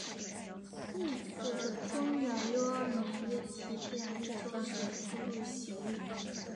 宋哲宗元佑二年为提点利州成都路刑狱。